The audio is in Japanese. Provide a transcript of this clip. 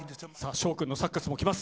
翔君のサックスも来ます。